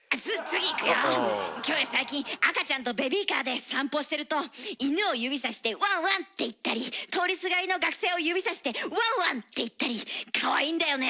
キョエ最近赤ちゃんとベビーカーで散歩してると犬を指さして「ワンワン」って言ったり通りすがりの学生を指さして「ワンワン」って言ったりかわいいんだよね。